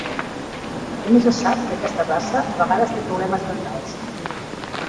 També se sap que aquesta raça a vegades té problemes dentals.